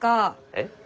えっ？